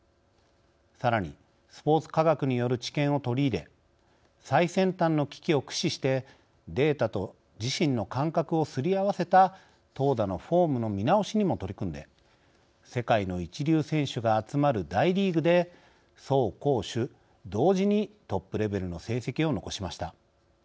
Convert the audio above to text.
さらにスポーツ科学による知見を取り入れ最先端の機器を駆使してデータと自身の感覚をすり合わせた、投打のフォームの見直しにも取り組んで世界の一流選手が集まる大リーグで、走攻守同時にトップレベルの成績を残しました。